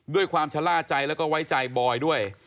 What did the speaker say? ความชะล่าใจแล้วก็ไว้ใจบอยด้วย